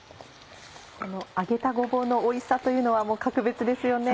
この揚げたごぼうのおいしさというのは格別ですよね。